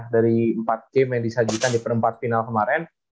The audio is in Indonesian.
dari empat game yang disajikan di perempat final kemarin